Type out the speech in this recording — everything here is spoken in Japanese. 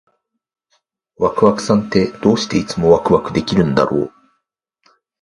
ワクワクさんって、どうしていつもワクワクできるんだろう？